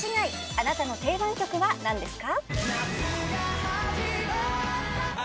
あなたの定番曲は何ですか？